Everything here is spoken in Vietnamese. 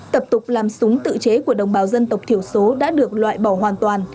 tập tục làm súng tự chế của đồng bào dân tộc thiểu số đã được loại bỏ hoàn toàn